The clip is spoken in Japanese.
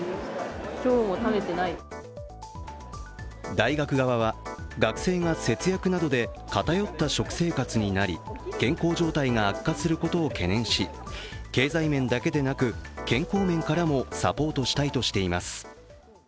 大学側は、学生が節約などで偏った食生活になり健康状態が悪化することを懸念し、経済面だけでなく、健康面からもサポートしたいとしています。